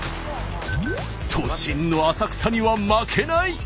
都心の浅草には負けない！